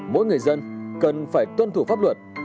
mỗi người dân cần phải tuân thủ pháp luật